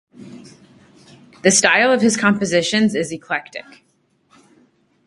The style of his compositions is eclectic.